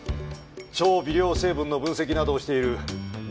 超微量成分の分析などをしている宮前守。